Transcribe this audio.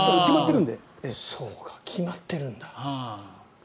そうか、決まってるんだ。